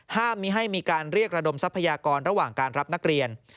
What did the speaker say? ห้ามมีให้มีการเรียกระดมทรัพยากรระหว่างการรับนักเรียน